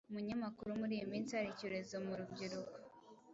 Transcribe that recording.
Umunyamakuru: Muri iyi minsi hari icyorezo mu rubyiruko,